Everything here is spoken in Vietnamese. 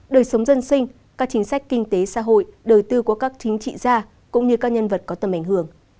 đời sống dân sinh các chính sách kinh tế xã hội đời tư của các chính trị gia cũng như các nhân vật có tầm ảnh hưởng